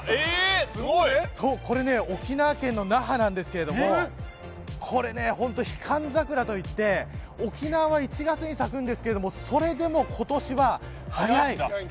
これ沖縄県の那覇なんですけれどもこれ本当にヒカンザクラといって沖縄は、１月に咲くんですけどそれでも今年は早い。